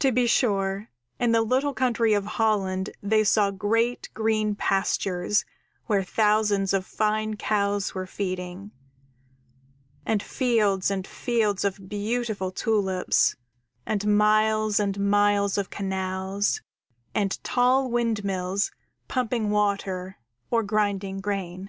_ _To be sure, in the little country of Holland they saw great green pastures where thousands of fine cows were feeding, and fields and fields of beautiful tulips, and miles and miles of canals, and tall windmills pumping water or grinding grain.